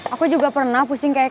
aku juga pernah pusing kayak